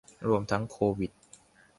รวมทั้งโควิด